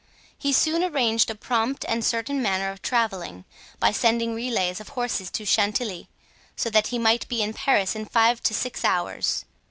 He soon arranged a prompt and certain manner of traveling, by sending relays of horses to Chantilly, so that he might be in Paris in five or six hours.